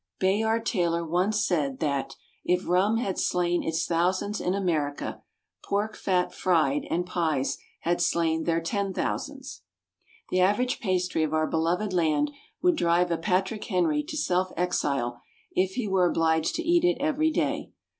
Bayard Taylor once said that "If Rum had slain its thousands in America, Pork fat (fried) and Pies had slain their ten thousands." The average pastry of our beloved land would drive a Patrick Henry to self exile if he were obliged to eat it every day.